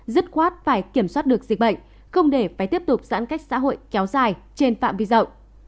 dứt khoát phải kiểm soát được dịch bệnh không để phải tiếp tục giãn cách xã hội kéo dài trên phạm vi rộng